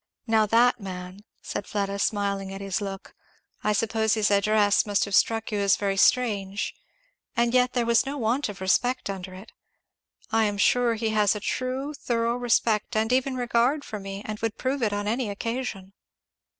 "Now that man," said Fleda, smiling at his look, "I suppose his address must have struck you as very strange; and yet there was no want of respect under it. I am sure he has a true thorough respect and even regard for me, and would prove it on any occasion."